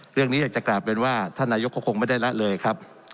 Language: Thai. เรื่องนี้อยากจะกลับเป็นว่าท่านนายก็คงไม่ได้ละเลยครับ